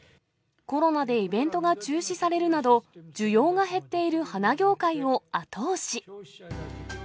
コロナでイベントが中止されるなど、需要が減っている花業界を後押し。